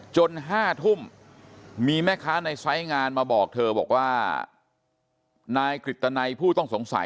จนห้าทุ่มมีแม่ค้าในใส่งานมาบอกเธอบอกว่านายกริตนายผู้ต้องสงสัยเนี่ย